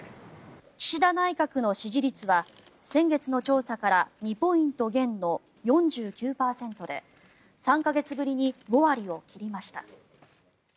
岸田内閣の支持率は先月の調査から２ポイント減の４９％で３か月ぶりに５割を切りました。